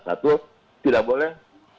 satu tidak boleh